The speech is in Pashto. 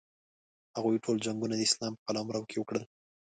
هغوی ټول جنګونه د اسلام په قلمرو کې وکړل.